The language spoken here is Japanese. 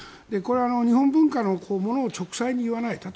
これ、日本文化の物を直截に言わない